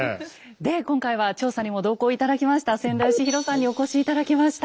で今回は調査にも同行頂きました千田嘉博さんにお越し頂きました。